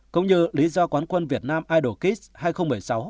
cũng như lý do quán quân việt nam idol kids hai nghìn một mươi sáu